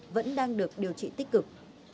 vẫn đang được điều trị tích cực